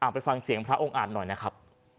ไปฟังเสียงพระองค์อาจหน่อยนะครับ